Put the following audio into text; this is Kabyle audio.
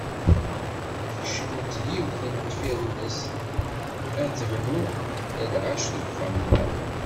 Tekcem-d yiwet n tfirellest ad tebnu lɛecc deg uxxam-nneɣ.